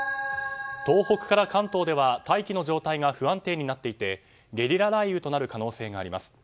東北から関東では大気の状態が不安定になっていてゲリラ雷雨となる可能性があります。